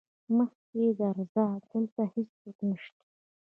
مخکې درځه دلته هيڅوک نشته.